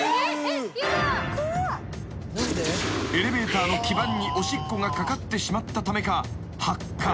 ［エレベーターの基盤におしっこがかかってしまったためか発火］